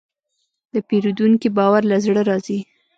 د پیرودونکي باور له زړه راځي.